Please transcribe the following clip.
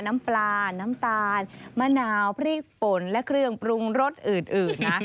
น้ำปลาน้ำตาลมะนาวพริกป่นและเครื่องปรุงรสอื่นนะ